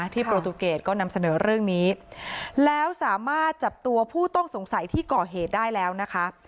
โปรตูเกตก็นำเสนอเรื่องนี้แล้วสามารถจับตัวผู้ต้องสงสัยที่ก่อเหตุได้แล้วนะคะ